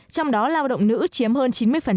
trong đó lao động nữ chiếm hơn chín mươi